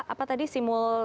apa tadi simul